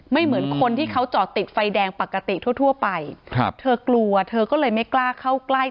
เหมือนคนที่เขาจอดติดไฟแดงปกติทั่วทั่วไปครับเธอกลัวเธอก็เลยไม่กล้าเข้าใกล้